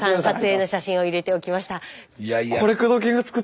撮影の写真を入れておきました。